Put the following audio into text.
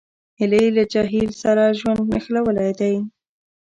هیلۍ له جهیل سره ژوند نښلولی دی